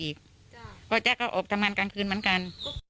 อย่างผู้หญิงแจ้วก็จะโอปทำงานกลางคืนเหมือนกัน